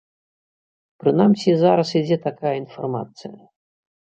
Прынамсі, зараз ідзе такая інфармацыя.